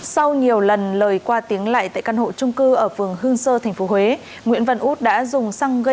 sau nhiều lần lời qua tiếng lại tại căn hộ trung cư ở phường hương sơ tp huế nguyễn văn út đã dùng xăng gây